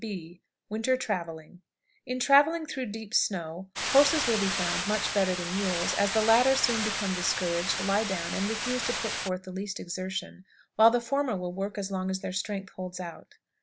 B. Winter Traveling. In traveling through deep snow, horses will be found much better than mules, as the latter soon become discouraged, lie down, and refuse to put forth the least exertion, while the former will work as long as their strength holds out.